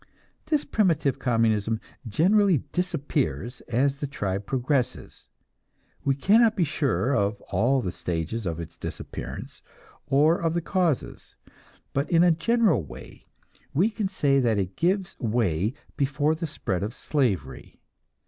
This primitive communism generally disappears as the tribe progresses. We cannot be sure of all the stages of its disappearance, or of the causes, but in a general way we can say that it gives way before the spread of slavery.